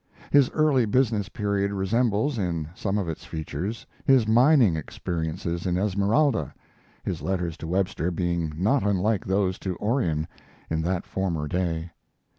His early business period resembles, in some of its features, his mining experience in Esmeralda, his letters to Webster being not unlike those to Orion in that former day.